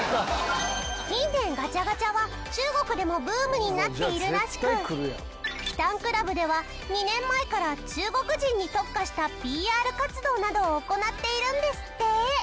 近年ガチャガチャは中国でもブームになっているらしくキタンクラブでは２年前から中国人に特化したＰＲ活動などを行っているんですって！